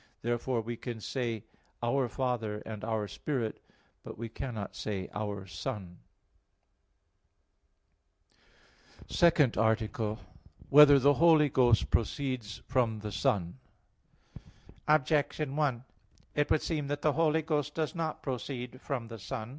Therefore we can say "our Father," and "our Spirit"; but we cannot say "our Son." _______________________ SECOND ARTICLE [I, Q. 36, Art. 2] Whether the Holy Ghost Proceeds from the Son? Objection 1: It would seem that the Holy Ghost does not proceed from the Son.